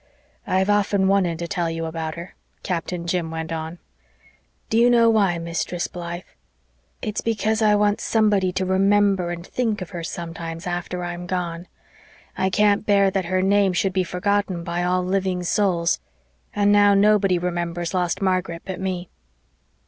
"I've often wanted to tell you about her," Captain Jim went on. "Do you know why, Mistress Blythe? It's because I want somebody to remember and think of her sometime after I'm gone. I can't bear that her name should be forgotten by all living souls. And now nobody remembers lost Margaret but me."